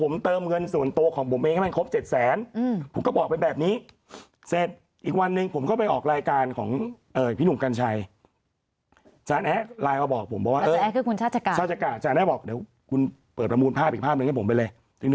จานแอ๊ะไลน์เขาบอกผมจานแอ๊ะคือคุณชาติกาชาติกาจานแอ๊ะบอกเดี๋ยวคุณเปิดประมูลภาพอีกภาพหนึ่งให้ผมไปเลย